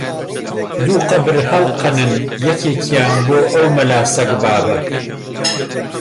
-دوو قەبر هەڵقەنن، یەکیان بۆ ئەو مەلا سەگبابە!